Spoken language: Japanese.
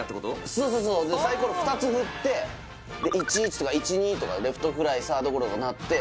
そうそうサイコロ２つ振って１１とか１２とかレフトフライサードゴロとかなって